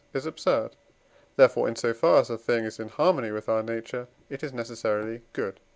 is absurd; therefore, in so far as a thing is in harmony with our nature, it is necessarily good.